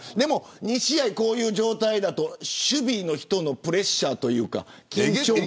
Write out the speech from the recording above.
２試合こういう状態だと守備の人のプレッシャーというか。